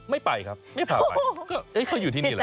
ไม่ไปครับไม่พาไปเขาอยู่ที่นี่แหละ